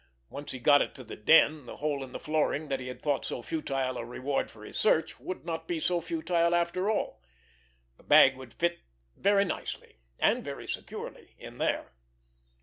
Once he got it to the den, that hole in the flooring, that he had thought so futile a reward for his search, would not be so futile after all. The bag would fit very nicely, and very securely, in there!